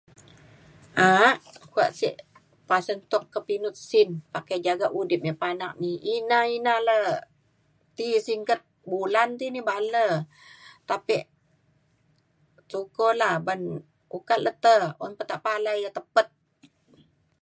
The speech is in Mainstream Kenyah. a’ak kuak sek pasen tuk ke pinut sin pakai jagak udip me panak ni ina ina le ti singget bulan ti ni baan le tapek syukur la uban ukat le te un pa tepalai ia’ tepet.